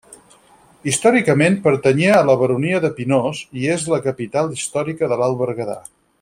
Històricament pertanyia a la Baronia de Pinós i és la capital històrica de l'Alt Berguedà.